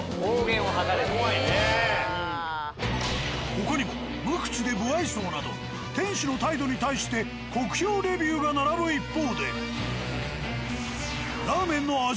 他にも無口で無愛想など店主の態度に対して酷評レビューが並ぶ一方で。